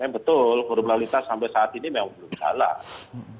yang betul kurum lalu lintas sampai saat ini memang belum jalan